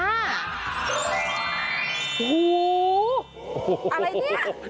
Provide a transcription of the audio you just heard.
อะไรเนี่ย